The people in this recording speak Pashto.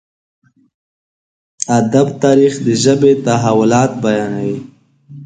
ادب تاريخ د ژبې تحولات بيانوي.